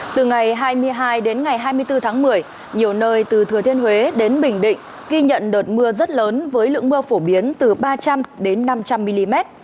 từ ngày hai mươi hai đến ngày hai mươi bốn tháng một mươi nhiều nơi từ thừa thiên huế đến bình định ghi nhận đợt mưa rất lớn với lượng mưa phổ biến từ ba trăm linh đến năm trăm linh mm